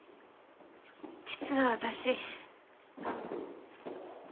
実は私。